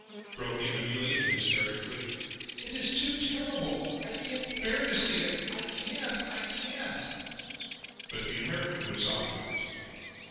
broke in Amelia hysterically. "It is too terrible! I can't bear to see it!—I can't! I can't!" But the American was obdurate.